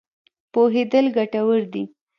پوهېدل ګټور دی.